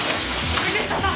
杉下さん！